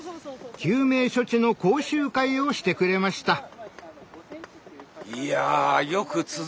救命処置の講習会をしてくれました。